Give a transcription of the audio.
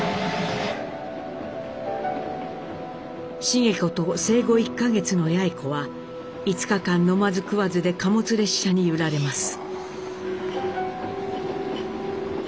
繁子と生後１か月の八詠子は５日間飲まず食わずで貨物列車に揺られます。